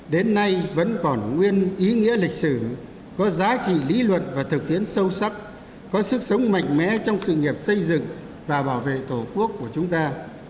đến nay vẫn còn nguyên ý nghĩa lịch sử có giá trị lý luận và thực tiến sâu sắc có sức sống mạnh mẽ trong sự nghiệp xây dựng và bảo vệ tổ quốc của chúng ta